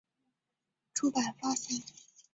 物理快报出版发行。